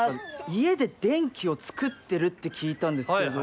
家で電気をつくってるって聞いたんですけど。